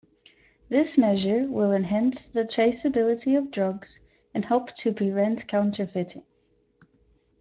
This measure will enhance the traceability of drugs and help to prevent counterfeiting.